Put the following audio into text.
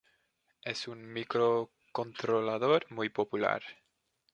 Es un microcontrolador muy popular.